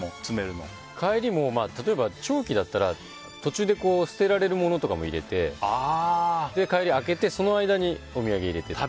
帰りも、例えば長期だったら途中で捨てられるものとかも入れて帰りは空けてその間にお土産を入れてとか。